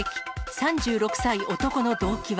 ３６歳男の動機は。